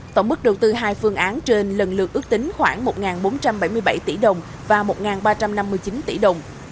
tổng mức đầu tư hai phương án trên lần lượt ước tính khoảng một bốn trăm bảy mươi bảy tỷ đồng và một ba trăm năm mươi chín tỷ đồng